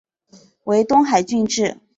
为东海郡治。